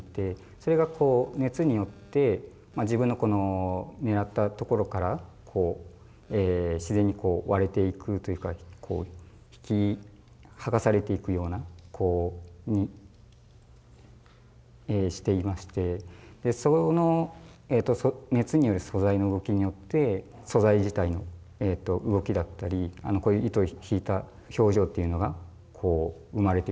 それが熱によって自分の狙った所から自然に割れていくというか引き剥がされていくようなにしていましてでその熱による素材の動きによって素材自体の動きだったりこういう糸引いた表情っていうのが生まれてくるというか。